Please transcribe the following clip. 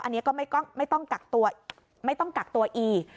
อันนี้ก็ไม่ต้องกักตัวอีก